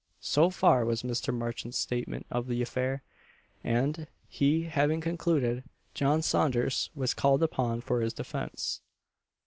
So far was Mr. Marchant's statement of the affair; and, he having concluded, John Saunders was called upon for his defence.